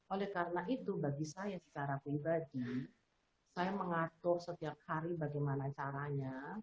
oleh karena itu bagi saya secara pribadi saya mengatur setiap hari bagaimana caranya